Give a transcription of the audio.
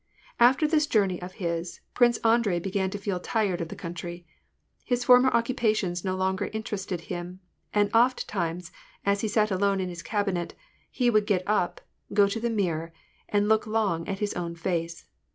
Alter this journey of his. Prince Andrei began to feel tired of the country ; his former occupations no longer interested him ; and ofttimes, as he sat alone in his cabinet, he would get up, go to the mirror, and look long at his own face.